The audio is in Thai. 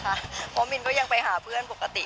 เพราะมินก็ยังไปหาเพื่อนปกติ